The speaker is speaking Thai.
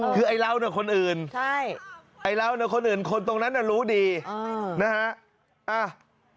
คือไอ้เล่าหน่อยคนอื่นไอ้เล่าหน่อยคนอื่นคนตรงนั้นน่ะรู้ดีนะฮะโอ้โห